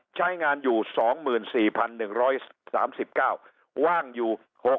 ๓๗๒๐๐ใช้งานอยู่๒๔๑๓๙ว่างอยู่๖๕๖๓